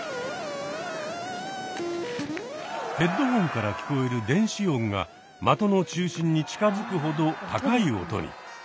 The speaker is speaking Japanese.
ヘッドホンから聞こえる電子音が的の中心に近づくほど高い音に。